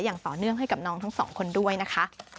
อย่างต่อเนื่องให้กับน้องทั้งสองคนด้วยนะคะ